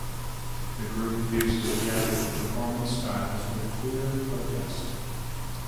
The group fuses theatrical performance styles with queer protest.